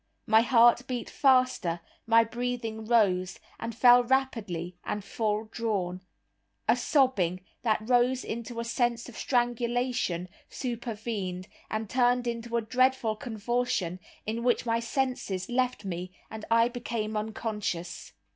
My heart beat faster, my breathing rose and fell rapidly and full drawn; a sobbing, that rose into a sense of strangulation, supervened, and turned into a dreadful convulsion, in which my senses left me and I became unconscious.